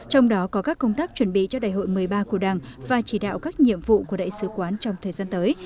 trong đó có các công tác chuẩn bị cho đại hội một mươi ba của đảng và chỉ đạo các nhiệm vụ của đại sứ quán trong thời gian tới